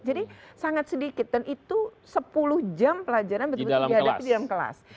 jadi sangat sedikit dan itu sepuluh jam pelajaran betul betul dihadapi di dalam kelas